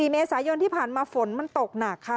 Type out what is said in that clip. ๔เมษายนที่ผ่านมาฝนมันตกหนักค่ะ